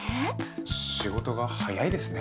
仕事が早いですね。